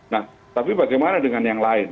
nah tapi bagaimana dengan yang lain